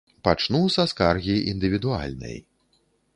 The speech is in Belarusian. Пачну са скаргі індывідуальнай.